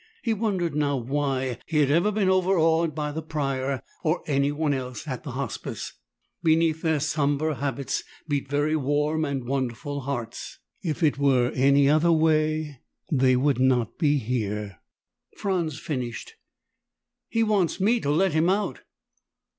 He wondered now why he had ever been overawed by the Prior or anyone else at the Hospice. Beneath their somber habits beat very warm and wonderful hearts. If it were any other way, they would not be here. Franz finished, "He wants me to let him out."